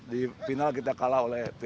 di final kita kalah oleh tira persikabo